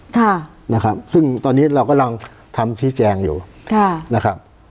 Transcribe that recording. ค่ะนะครับซึ่งตอนนี้เรากำลังทำชี้แจงอยู่ค่ะนะครับ